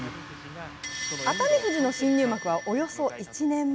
熱海富士の新入幕はおよそ１年前。